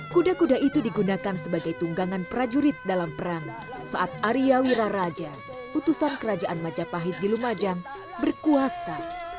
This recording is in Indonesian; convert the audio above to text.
kuda kuda itu digunakan sebagai tunggangan prajurit dalam perang saat arya wiraraja utusan kerajaan majapahit di lumajang berkuasa